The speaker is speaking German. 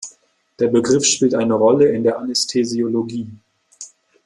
Der Begriff spielt eine Rolle in der Anästhesiologie.